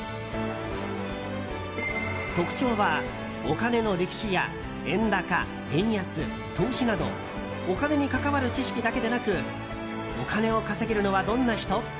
特徴はお金の歴史や円高・円安、投資などお金に関わる知識だけでなくお金を稼げるのはどんな人？